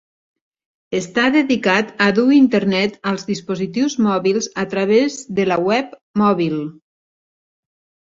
Està dedicat a dur Internet als dispositius mòbils a través de la Web Mòbil.